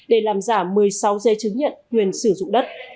để làm giả một mươi sáu dây chứng nhận quyền sử dụng đất